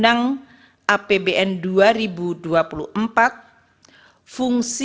dan penjelasan tentang kekuatan